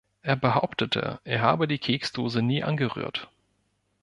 Er behauptete, er habe die Keksdose nie angerührt.